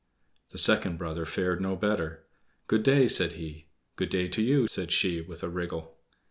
The second brother fared no better. "Good day!" said he. "Good day to you," said she, with a wriggle.